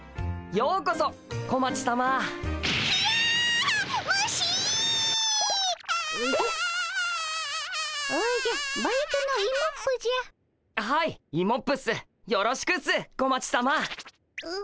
よろしくっす小町さま。